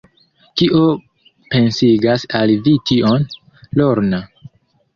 Kio pensigas al vi tion, Lorna?